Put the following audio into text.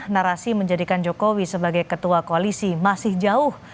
narasi menjadikan jokowi sebagai ketua koalisi masih jauh